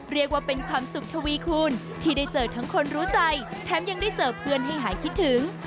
เรียกว่าเป็นความสุขทวีคูณที่ได้เจอทั้งคนรู้ใจแถมยังได้เจอเพื่อนให้หายคิดถึง